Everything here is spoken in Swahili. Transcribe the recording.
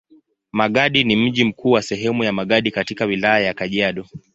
Magadi ni mji mkuu wa sehemu ya Magadi katika Wilaya ya Kajiado.